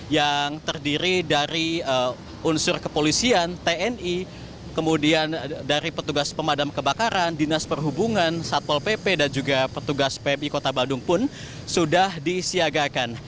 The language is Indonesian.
yang terdiri dari unsur kepolisian tni kemudian dari petugas pemadam kebakaran dinas perhubungan satpol pp dan juga petugas pmi kota bandung pun sudah disiagakan